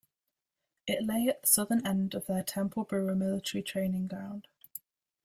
It lay at the southern end of their Temple Bruer military training ground.